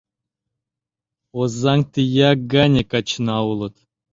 Озаҥ тияк гане качына улыт